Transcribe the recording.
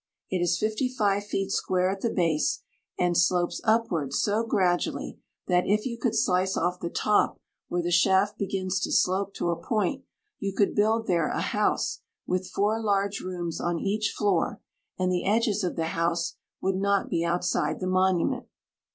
It is fifty five feet square at the base, and slopes upward so gradually that, if you could slice off the top where the shaft begins to slope to a point, you could build there a house with four large rooms on each floor, and the edges of the house would not be outside the monument.